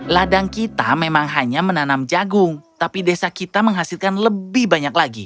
ladang kita memang hanya menanam jagung tapi desa kita menghasilkan lebih banyak lagi